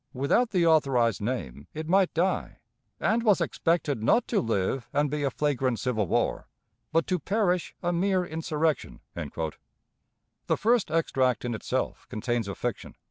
Without the authorized name, it might die, and was expected not to live and be a flagrant civil war, but to perish a mere insurrection." The first extract in itself contains a fiction.